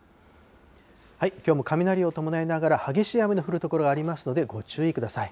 きょうも雷を伴いながら、激しい雨の降る所がありますので、ご注意ください。